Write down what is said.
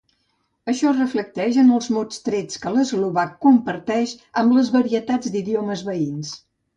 Això es reflecteix en els molts trets que l'eslovac comparteix amb les varietats d'idiomes veïns.